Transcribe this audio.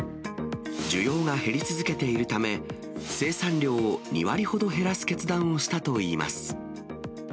需要が減り続けているため、生産量を２割ほど減らす決断をしたといいます。